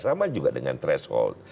sama juga dengan threshold